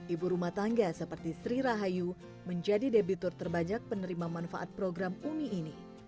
ibu rumah tangga seperti sri rahayu menjadi debitur terbajak penerima manfaat program umi ini